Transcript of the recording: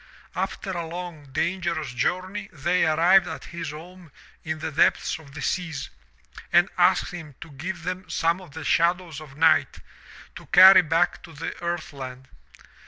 After a long, dangerous journey they arrived at his home in the depths of the seas and asked him to give them some of the shadows of night to carry back to the earth land.